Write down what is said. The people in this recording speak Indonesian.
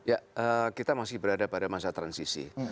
ya kita masih berada pada masa transisi